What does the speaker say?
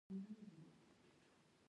لومړۍ برخه قران عظیم الشان ختم و.